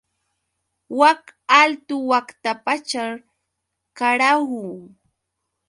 Wak altu waqtapaćhr, ¡karahu!